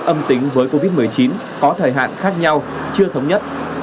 âm tính với covid một mươi chín có thời hạn khác nhau chưa thống nhất